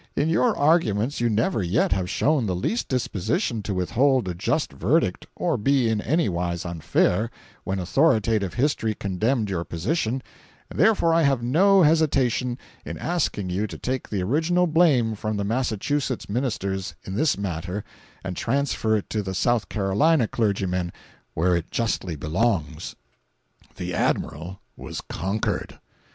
In your arguments you never yet have shown the least disposition to withhold a just verdict or be in anywise unfair, when authoritative history condemned your position, and therefore I have no hesitation in asking you to take the original blame from the Massachusetts ministers, in this matter, and transfer it to the South Carolina clergymen where it justly belongs." 453.jpg (44K) The Admiral was conquered.